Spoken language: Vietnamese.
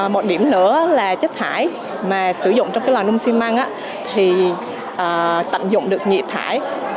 một điểm nữa là chất thải mà sử dụng trong cái lò nung xi măng thì tận dụng được nhiệt thải